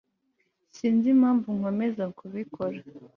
sinzi impamvu nkomeza kubikora